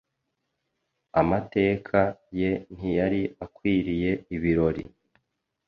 Amateka ye ntiyari akwiriye ibirori